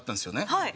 はい。